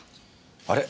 あれ？